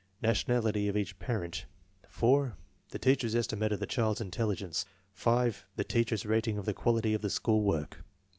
Nationality of each parent; 4. The teacher's estimate of the child's intelligence; 5. The teacher's rating of the quality of the school work; 6.